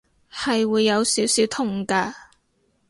係會有少少痛㗎